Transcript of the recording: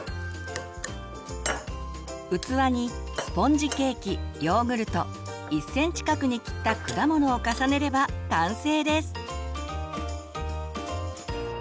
器にスポンジケーキヨーグルト１センチ角に切った果物を重ねれば完成です。